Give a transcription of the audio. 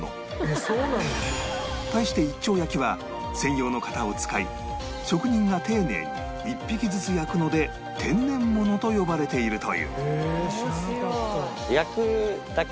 対して一丁焼きは専用の型を使い職人が丁寧に一匹ずつ焼くので天然物と呼ばれているという